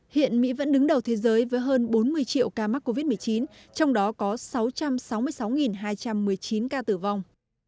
hiện mỹ vẫn đứng đầu thế giới với hơn bốn mươi triệu ca mắc covid một mươi chín trong đó có sáu trăm sáu mươi sáu hai trăm một mươi chín ca tử vong